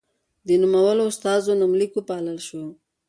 د نومولو استازو نومليک وپايلل شو.